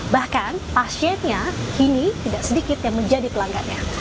bahkan pasiennya kini tidak sedikit yang menjadi pelanggannya